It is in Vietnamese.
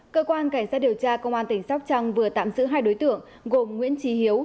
cơ quan cảnh sát điều tra công an tỉnh sóc trăng vừa tạm giữ hai đối tượng gồm nguyễn trí hiếu